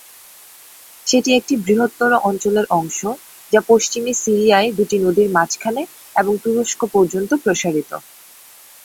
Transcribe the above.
সেটি একটি বৃহত্তর অঞ্চলের অংশ যা পশ্চিমে সিরিয়ায় দুটি নদীর মাঝখানে এবং তুরস্ক পর্যন্ত প্রসারিত।